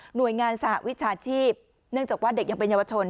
โดยงานสหวิชาชีพเนื่องจากว่าเด็กยังเป็นเยาวชน